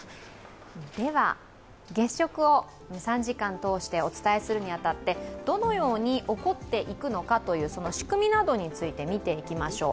月食を３時間通してお伝えするに当たって、どのように起こっていくのか、仕組みなどについて見ていきましょう。